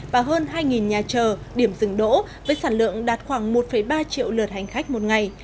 và hơn hai nhà chờ điểm dừng đỗ với sản lượng đạt khoảng một ba triệu lượt hành khách một ngày